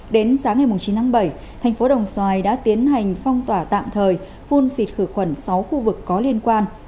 đến sáng ngày chín tháng bảy thành phố đồng xoài đã tiến hành phong tỏa tạm thời phun xịt khử khuẩn sáu khu vực có liên quan